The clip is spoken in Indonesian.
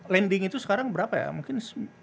landing itu sekarang berapa ya mungkin